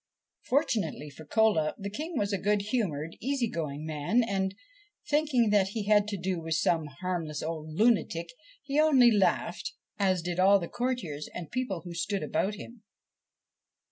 Fortunately for Cola, the King was a good humoured, easy going man, and, thinking that he had to do with some harmless old lunatic, he only laughed, as did all the courtiers and people who stood about him.